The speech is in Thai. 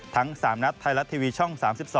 ทั้ง๓นัดไทยรัฐทีวีช่อง๓๒